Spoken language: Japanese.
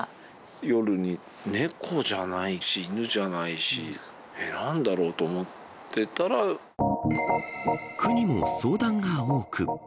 夜に、猫じゃないし、犬じゃないし、区にも相談が多く。